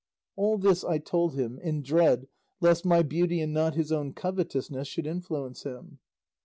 All this I told him, in dread lest my beauty and not his own covetousness should influence him.